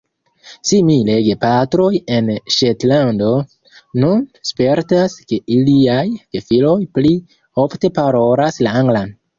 Simile, gepatroj en Ŝetlando nun spertas, ke iliaj gefiloj pli ofte parolas la anglan.